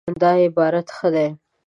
دا عبارت ښه دی